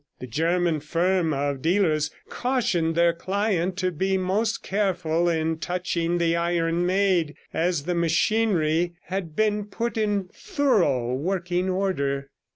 The German firm of dealers cautioned their client to be most careful in touching the Iron Maid, as the machinery had put in thorough working order.